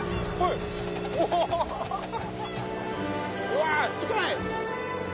うわ近い！